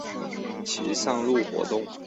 其上路活动。